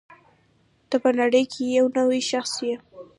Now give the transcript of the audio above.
ته په نړۍ کې یو نوی شخص یې.